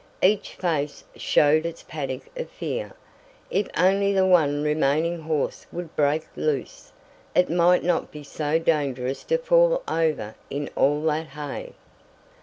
Each face showed its panic of fear. If only the one remaining horse would break loose, it might not be so dangerous to fall over in all that hay!